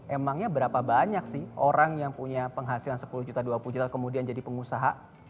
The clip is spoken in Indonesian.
emangnya berapa banyak sih orang yang punya penghasilan sepuluh juta dua puluh juta kemudian jadi pengusaha